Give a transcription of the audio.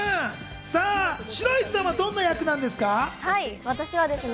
さぁ、白石さんはどんな役なんですか？